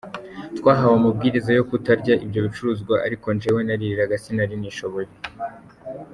Twahawe amabwiriza yo kutarya ibyo bicuruzwa, ariko jyewe naririraga sinari nishoboreye.